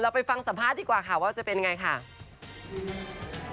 ไปฟังสัมภาษณ์ดีกว่าค่ะว่าจะเป็นไงค่ะ